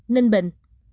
hai ninh bình